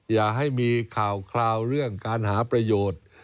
อย่าให้มีข่าวคราวเรื่องการหาประโยชน์